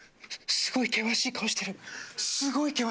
すごい険しい顔してる！